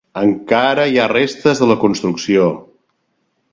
Encara hi ha restes de la construcció.